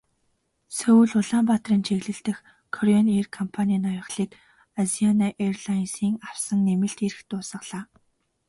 Сөүл-Улаанбаатарын чиглэл дэх Кореан эйр компанийн ноёрхлыг Азиана эйрлайнсын авсан нэмэлт эрх дуусгалаа.